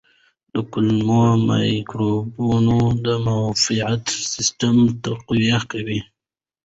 د کولمو مایکروبونه د معافیت سیستم تقویه کوي.